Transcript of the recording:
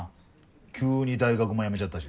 急に大学も辞めちゃったし。